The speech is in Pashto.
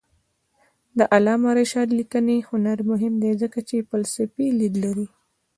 د علامه رشاد لیکنی هنر مهم دی ځکه چې فلسفي لید لري.